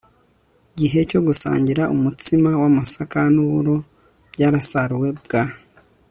gihe cyo gusangira umutsima w'amasaka n'uburo byasaruwe bwa